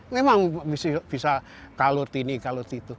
memang bisa kalut ini kalut itu